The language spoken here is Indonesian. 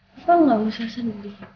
papa gak mau sedih